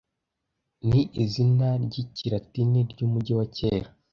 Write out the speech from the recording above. ni izina ry'ikilatini ry'umujyi wa kera